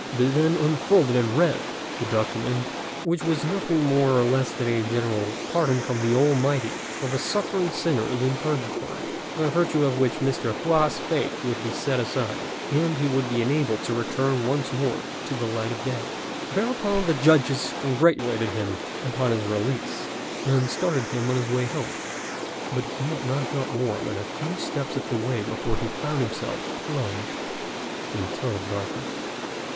They then unfolded and read the document, which was nothing more or less than a general pardon from the Almighty for the suffering sinners in Purgatory, by virtue of which Mr. Hua's fate would be set aside, and he would be enabled to return once more to the light of day. Thereupon the judges congratulated him upon his release, and started him on his way home; but he had not got more than a few steps of the way before he found himself plunged in total darkness.